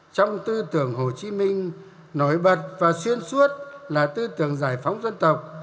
trong tư tưởng hồ chí minh nổi bật và xuyên suốt là tư tưởng giải phóng dân tộc